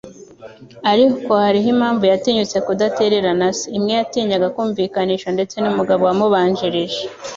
Ariko hariho indi mpamvu yatinyutse kudatererana se, imwe yatinyaga kumvikanisha ndetse numugabo wamubanjirije.